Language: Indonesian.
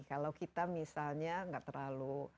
kalau kita misalnya nggak terlalu